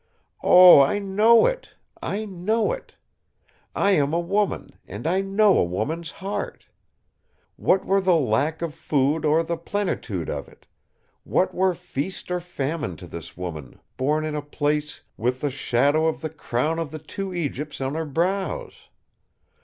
Oh! I know it! I know it! I am a woman, and I know a woman's heart. What were the lack of food or the plenitude of it; what were feast or famine to this woman, born in a palace, with the shadow of the Crown of the Two Egypts on her brows!